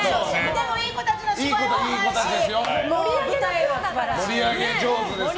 でもいい子たちなんですよ。